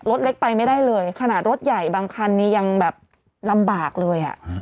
รถเล็กไปไม่ได้เลยขนาดรถใหญ่บางคันนี้ยังแบบลำบากเลยอ่ะ